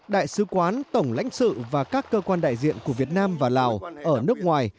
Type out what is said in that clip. đại sứ quán tổng lãnh sự và các cơ quan đại diện của việt nam và lào ở nước ngoài